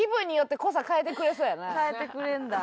変えてくれるんだ。